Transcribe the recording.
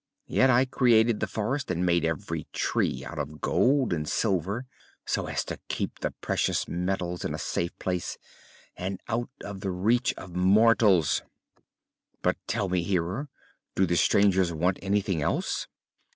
Yet I created the forest and made every tree, out of gold and silver, so as to keep the precious metals in a safe place and out of the reach of mortals. But tell me, Hearer, do the strangers want anything else?"